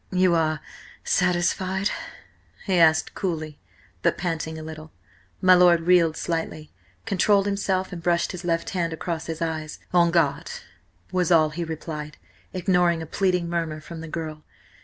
"You are–satisfied?" he asked coolly, but panting a little. My lord reeled slightly, controlled himself and brushed his left hand across his eyes. "On guard!" was all he replied, ignoring a pleading murmur from the girl.